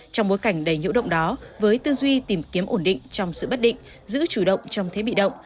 trong bối cảnh đầy nhũ động đó với tư duy tìm kiếm ổn định trong sự bất định giữ chủ động trong thế bị động